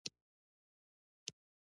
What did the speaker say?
پیاز د پخلي بوی بدلوي